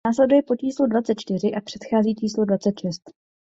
Následuje po číslu dvacet čtyři a předchází číslu dvacet šest.